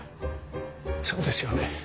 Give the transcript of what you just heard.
そうですよね。